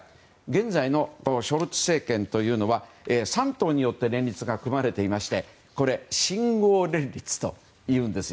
現在のショルツ政権というのは３党によって連立が組まれていまして信号連立というんです。